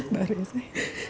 baru ya say